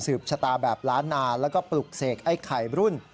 ชะตาแบบล้านนาแล้วก็ปลุกเสกไอ้ไข่รุ่น